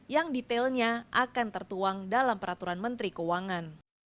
yang detailnya akan tertuang dalam peraturan menteri keuangan